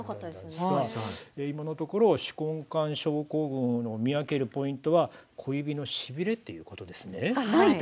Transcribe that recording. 今のところ手根管症候群を見分けるポイントは小指のしびれということですね。